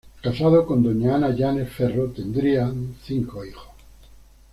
Casado con Doña Ana Yanes Ferro, tendrían cinco hijos.